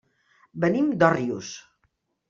Venim d'Òrrius.